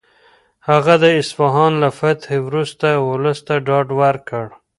هغه د اصفهان له فتحې وروسته ولس ته ډاډ ورکړ.